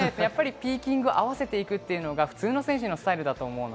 ピーキング合わせていくというのが普通の選手のスタイルだと思います。